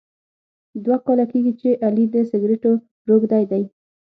دوه کاله کېږي چې علي په سګرېټو روږدی دی.